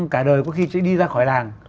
có khi sẽ đi ra khỏi làng